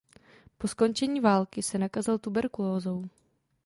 Po skončení války se nakazil tuberkulózou.